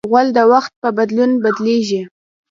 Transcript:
غول د وخت په بدلون بدلېږي.